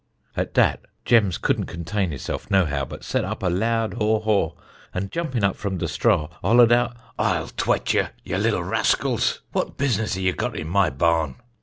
At dat Jeems couldn't contain hisself no how, but set up a loud haw haw; and jumpin' up from de strah hollered out, 'I'll tweat ye, ye liddle rascals; what bisness a you got in my barn?'